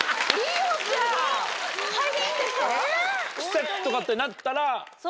臭っ！とかってなったら。